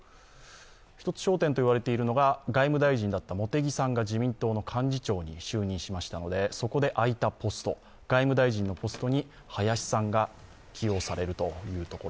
一つ焦点と言われているのが、外務大臣だった茂木さんが自民党の幹事長に就任しましたので、そこで空いたポスト、外務大臣のポストに林さんが起用されるというところ。